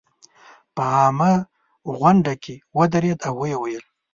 په عامه غونډه کې ودرېد او ویې ویل.